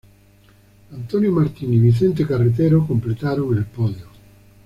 Antonio Martín y Vicente Carretero completaron el podio.